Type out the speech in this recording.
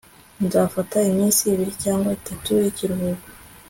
nzafata iminsi ibiri cyangwa itatu y'ikiruhuko